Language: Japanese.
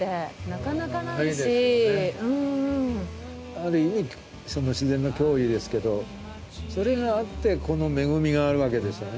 ある意味自然の脅威ですけどそれがあってこの恵みがあるわけですからね。